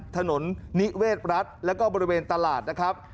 ถนนนิเวศรัฐแล้วก็บริเวณตลาดนะครับ